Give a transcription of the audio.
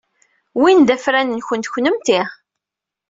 Win d afran-nwent kennemti.